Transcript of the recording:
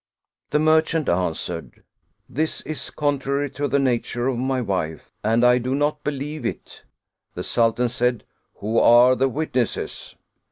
The merchant answered: " This is contrary to the nature of my wife, and I do not believe it/* The Sultan said: "Who are the witnesses?"